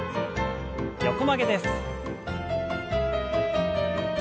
横曲げです。